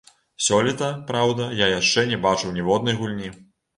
Сёлета, праўда, я яшчэ не бачыў ніводнай гульні.